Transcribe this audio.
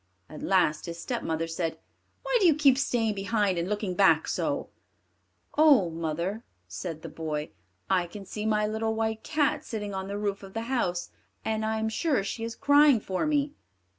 At last his stepmother said, "Why do you keep staying behind and looking back so?" "Oh, mother," said the boy, "I can see my little white cat sitting on the roof of the house, and I am sure she is crying for me."